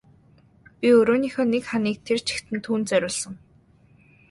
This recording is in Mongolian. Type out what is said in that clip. Би өрөөнийхөө нэг ханыг тэр чигт нь түүнд зориулсан.